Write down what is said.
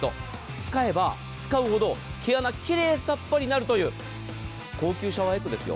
使えば使うほど毛穴、奇麗さっぱりになるという高級シャワーヘッドですよ。